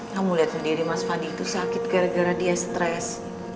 aku mau liat sendiri mas fandi itu sakit gara gara dia stres